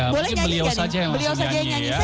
boleh nyanyi beliau saja yang nyanyi